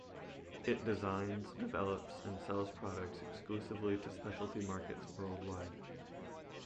It designs, develops and sells products exclusively to specialty markets worldwide.